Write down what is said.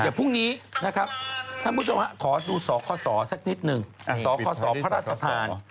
เดี๋ยวพรุ่งนี้นะครับท่านผู้ชมฮะขอดูสคศสักนิดหนึ่งสคศพระราชทาน